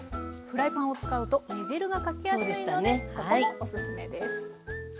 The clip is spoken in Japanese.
フライパンを使うと煮汁がかけやすいのでここもおすすめです。